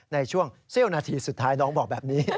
ในช่วงเสี้ยวนาทีสุดท้ายน้องบอกแบบนี้